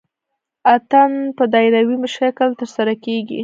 اتن په دایروي شکل ترسره کیږي.